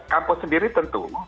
kampus sendiri tentu